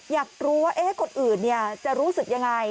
อยากรู้ว่าเอ๊ะกฎอื่นเนี่ยจะรู้สึกยังไง